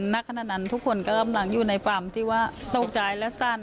นักขนาดนั้นทุกคนก็กำลังอยู่ในฝ่ามที่ว่าโต๊ะจายและสั่น